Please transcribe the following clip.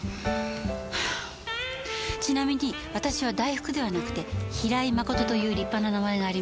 ちなみに私は大福ではなくて平井真琴という立派な名前があります。